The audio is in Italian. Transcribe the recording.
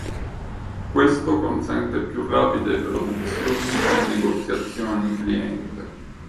Questo consente più rapide produzioni e negoziazioni cliente.